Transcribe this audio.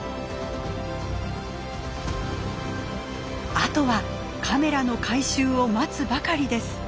あとはカメラの回収を待つばかりです。